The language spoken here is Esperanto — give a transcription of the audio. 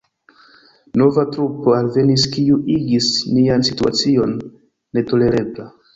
Nova trupo alvenis, kiu igis nian situacion netolerebla.